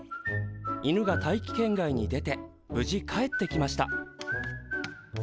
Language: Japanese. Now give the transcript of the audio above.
犬が大気圏外に出て無事帰ってきました。